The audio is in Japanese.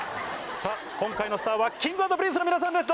さぁ今回のスターはＫｉｎｇ＆Ｐｒｉｎｃｅの皆さんです。